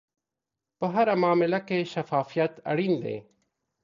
په هره معامله کې شفافیت اړین دی.